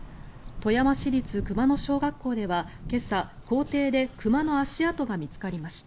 富山市立熊野小学校では今朝、校庭で熊の足跡が見つかりました。